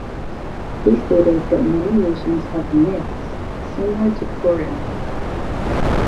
He stated that many nations have myths similar to Purim.